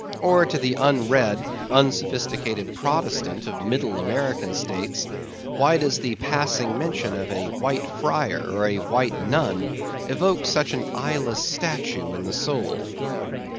Or, to the unread, unsophisticated Protestant of the Middle American States, why does the passing mention of a White Friar or a White Nun, evoke such an eyeless statue in the soul?